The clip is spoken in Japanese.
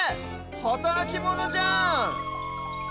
はたらきモノじゃん！